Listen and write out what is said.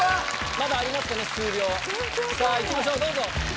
まだありますかね数秒行きましょうどうぞ。